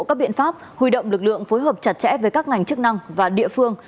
các biện pháp huy động lực lượng phối hợp chặt chẽ với các ngành chức năng và địa phương